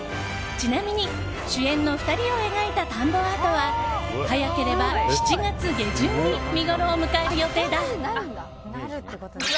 ちなみに主演の２人を描いた田んぼアートは早ければ７月下旬に見ごろを迎える予定だ。